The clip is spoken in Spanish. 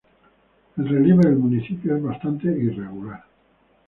El relieve del municipio es bastante irregular.